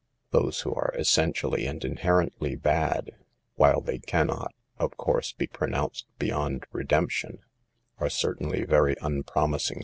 Those who are essentially and inherently bad, while they can not, of course, be pronounced beyond redemption, are certainly very unpromising 84 SAVE THE GIRLS.